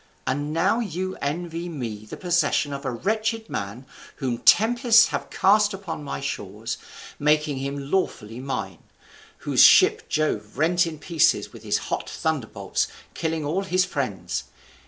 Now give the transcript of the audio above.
And now you envy me the possession of a wretched man whom tempests have cast upon my shores, making him lawfully mine; whose ship Jove rent in pieces with his hot thunderbolts, killing all his friends.